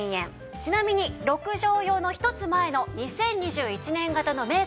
ちなみに６畳用の１つ前の２０２１年型のメーカー